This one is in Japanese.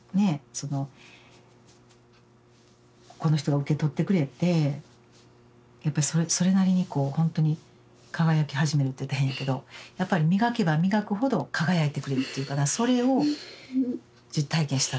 そのこの人が受け取ってくれてやっぱりそれなりにこうほんとに輝き始めるっていったら変やけどやっぱり磨けば磨くほど輝いてくれるっていうかなそれを実体験したっていうか。